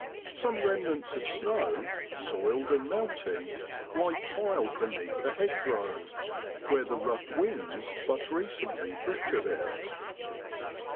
Some remnants of snow, soiled and melting, lie piled beneath the hedgerow, where the rough winds but recently drifted it.